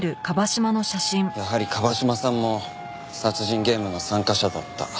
やはり椛島さんも殺人ゲームの参加者だった。